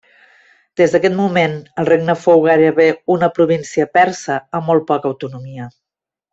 Des d'aquest moment el regne fou gairebé una província persa, amb molt poca autonomia.